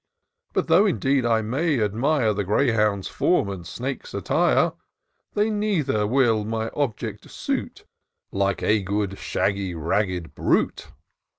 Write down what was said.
But though, indeed, I may admire ^ The greyhound's form, and snake's attire, They neither will my object suit Like a good shaggy, ragged brute.